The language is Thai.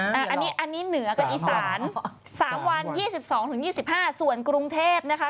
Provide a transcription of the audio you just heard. อันนี้เหนือกับอีสาน๓วัน๒๒๒๕ส่วนกรุงเทพนะคะ